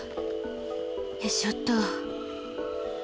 よいしょっと。